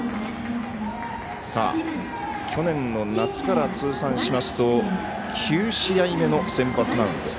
去年の夏から通算しますと９試合目の先発マウンド。